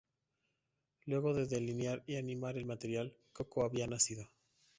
Luego de delinear y animar el material, Koko había nacido.